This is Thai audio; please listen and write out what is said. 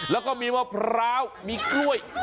แล้วก็มีมะพร้าวมีกล้วย